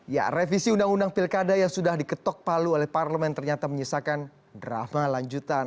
ya revisi undang undang pilkada yang sudah diketok palu oleh parlemen ternyata menyisakan drama lanjutan